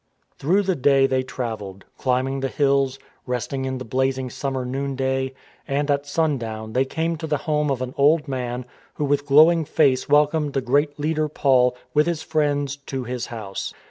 Through the day they travelled, climbing the hills, resting in the blazing summer noon day; and at sundown they came to the home of an old man who with glowing face welcomed the great leader Paul, with his friends, to his house.